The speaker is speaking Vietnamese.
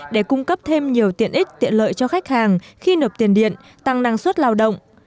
để cung cấp thêm nhiều tiện ích tiện lợi cho khách hàng khi nộp tiền điện tăng năng suất lao động